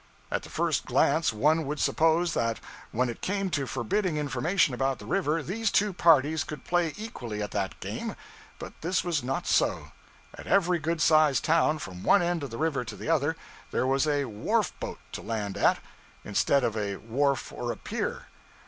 At the first glance one would suppose that when it came to forbidding information about the river these two parties could play equally at that game; but this was not so. At every good sized town from one end of the river to the other, there was a 'wharf boat' to land at, instead of a wharf or a pier.